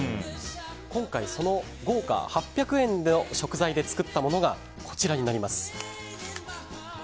今回、その豪華８００円の食材で作ったものがこちらになります。